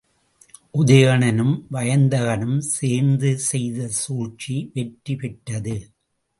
உதயணனும் வயந்தகனும் சேர்ந்து செய்த சூழ்ச்சி வெற்றி பெற்றது.